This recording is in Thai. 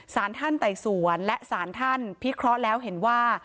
สารท่านไต่สวนและสารท่านพิเคราะห์แล้วเห็นว่า